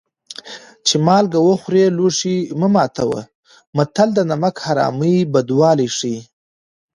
چې مالګه وخورې لوښی مه ماتوه متل د نمک حرامۍ بدوالی ښيي